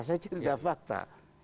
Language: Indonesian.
saya cerita fakta